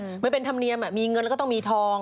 มันเป็นธรรมเนียมมีเงินแล้วก็ต้องมีทอง